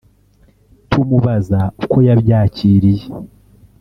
tumubaza uko yabyakiriye